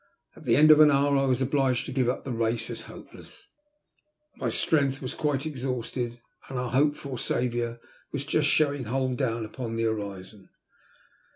At the end of an hour I was obliged to give up the race as hopeless. My strength was quite exhausted, and our hoped for saviour was just showing hull down upon the horizon.